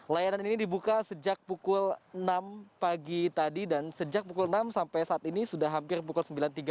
layanan ini dibuka sejak pukul enam pagi tadi dan sejak pukul enam sampai saat ini sudah hampir pukul sembilan tiga puluh